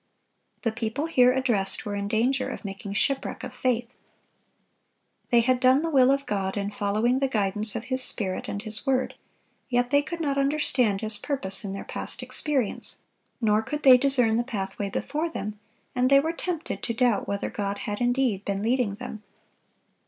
The people here addressed were in danger of making shipwreck of faith. They had done the will of God in following the guidance of His Spirit and His word; yet they could not understand His purpose in their past experience, nor could they discern the pathway before them, and they were tempted to doubt whether God had indeed been leading them.